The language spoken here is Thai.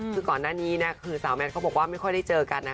คือก่อนหน้านี้คือสาวแมทเขาบอกว่าไม่ค่อยได้เจอกันนะคะ